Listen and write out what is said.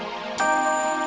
kita ke rumah